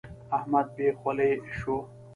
احمد بې خولې شو.